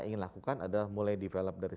ingin lakukan adalah mulai develop dari